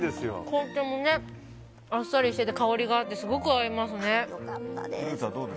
紅茶もあっさりしてて香りがあってすごく合いますね。